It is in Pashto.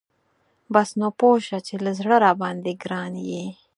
بس نو پوه شه چې له زړه راباندی ګران یي .